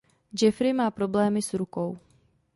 Jeffrey má problémy s rukou.